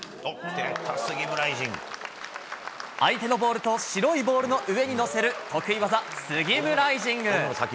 相手のボールと白いボールの上に乗せる得意技、スギムライジング。